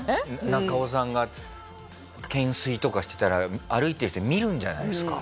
中尾さんが懸垂とかしてたら歩いてる人見るんじゃないですか？